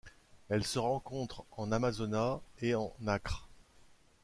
Elle se rencontre en Amazonas et en Acre.